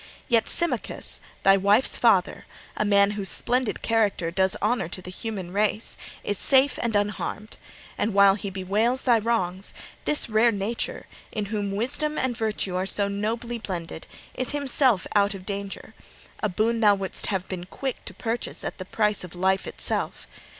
Yet Symmachus, thy wife's father a man whose splendid character does honour to the human race is safe and unharmed; and while he bewails thy wrongs, this rare nature, in whom wisdom and virtue are so nobly blended, is himself out of danger a boon thou wouldst have been quick to purchase at the price of life itself.